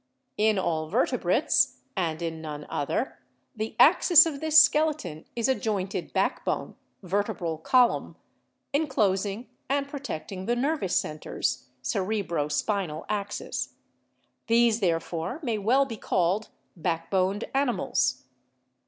"In all vertebrates, and in none other, the axis of this skeleton is a jointed backbone (vertebral column) inclosing and protecting the nervous centers (cerebro spinal axis). These, therefore, may well be called backboned animals.